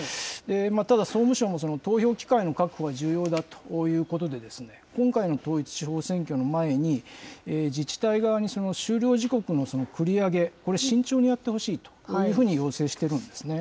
ただ、総務省も、投票機会の確保が重要だということで、今回の統一地方選挙の前に、自治体側に終了時刻の繰り上げ、これ、慎重にやってほしいというふうに要請してるんですね。